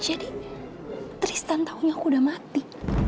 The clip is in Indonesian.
jadi tristan taunya aku udah mati